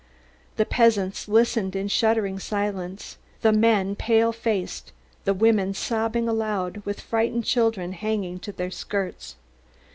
The peasants listened in shuddering silence, the men pale faced, the women sobbing aloud with frightened children hanging to their skirts.